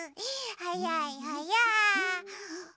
はやいはやい。